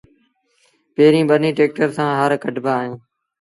پيريݩ ٻنيٚ ٽيڪٽر سآݩ هر ڪڍبآ اهيݩ